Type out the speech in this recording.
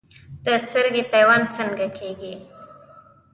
د سترګې پیوند څنګه کیږي؟